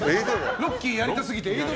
「ロッキー」やりたすぎて。